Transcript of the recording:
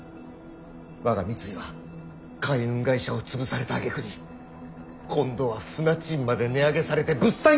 我が三井は海運会社を潰されたあげくに今度は船賃まで値上げされて物産業までやられている！